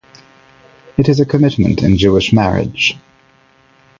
It is a commitment in Jewish marriage.